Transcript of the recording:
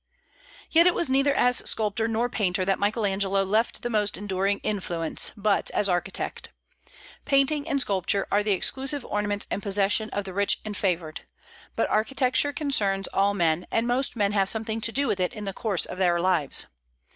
Yet it was neither as sculptor nor painter that Michael Angelo left the most enduring influence, but as architect. Painting and sculpture are the exclusive ornaments and possession of the rich and favored. But architecture concerns all men, and most men have something to do with it in the course of their lives.